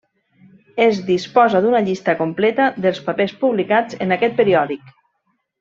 Es disposa d'una llista completa dels papers publicats en aquest periòdic.